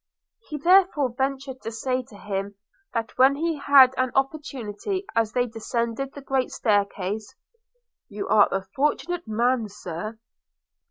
He therefore ventured to say to him, when he had an opportunity as they descended the great stair – case – 'You are a fortunate man, Sir!'